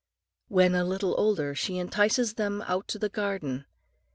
When a little older, she entices them out to the garden.